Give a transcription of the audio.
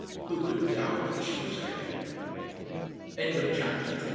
Who could doubt that she was a help? CHAPTER XXV.